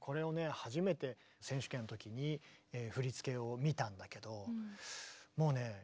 初めて選手権のときに振り付けを見たんだけどもうね